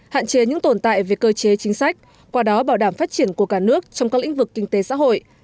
hạn chế những tồn tại về cơ chế chính sách qua đó bảo đảm phát triển của cả nước trong các lĩnh vực kinh tế xã hội